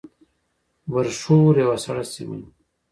برښور یوه سړه سیمه ده